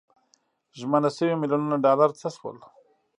ژمنه شوي میلیونونه ډالر څه شول.